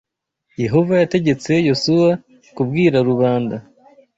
Yehova yategetse Yosuwa kubwira rubanda